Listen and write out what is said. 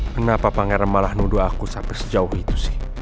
kenapa pangeran malah nuduh aku sampai sejauh itu sih